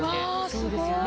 そうですよね。